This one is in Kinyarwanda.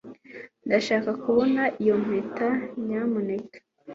ndashaka kubona iyo mpeta, nyamuneka